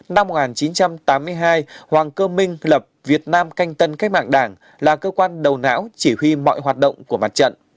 năm một nghìn chín trăm tám mươi hai hoàng cơ minh lập việt nam canh tân cách mạng đảng là cơ quan đầu não chỉ huy mọi hoạt động của mặt trận